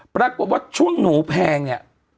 ปรากฏว่าช่วงหนูแพงเนี่ย